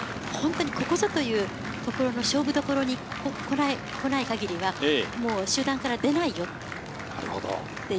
ここぞというところの勝負どころに来ない限りは、集団から出ないよって。